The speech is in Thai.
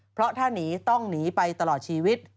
เพราะถ้าหนีต้องหนีไปตลอดชีวิต